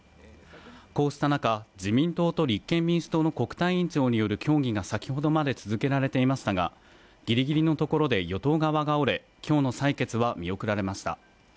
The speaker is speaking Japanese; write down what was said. こうした中、自民党と立憲民主党の国対委員長による協議が先ほどまで続けられていましたが、ギリギリのところで与党側が折れ、今日の採決は見送られました。